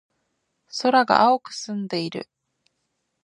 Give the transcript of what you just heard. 空が青く澄んでいる。